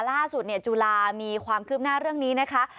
ล่าสุดจุฬามีความคืบหน้าเรื่องนี้นะคะ